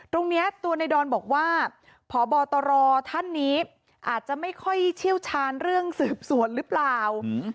ตรงนี้ตัวในดอนบอกว่าพบตรท่านนี้อาจจะไม่ค่อยเชี่ยวชาญเรื่องสืบสวนหรือเปล่า